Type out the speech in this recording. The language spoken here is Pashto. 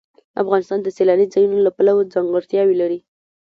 افغانستان د سیلاني ځایونو له پلوه ځانګړتیاوې لري.